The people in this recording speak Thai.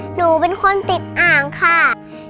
หนูเป็นคนติดอ่างค่ะ